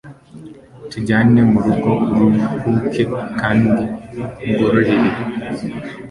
tujyane mu rugo uruhuke kandi nkugororere